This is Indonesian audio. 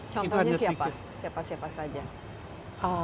contohnya siapa siapa saja